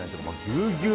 ぎゅうぎゅう。